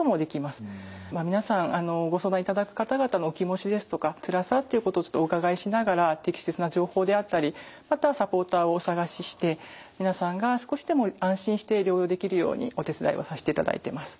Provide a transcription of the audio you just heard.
皆さんご相談いただく方々のお気持ちですとかつらさっていうことをお伺いしながら適切な情報であったりまたサポーターをお探しして皆さんが少しでも安心して療養できるようにお手伝いをさしていただいてます。